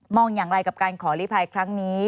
อย่างไรกับการขอลิภัยครั้งนี้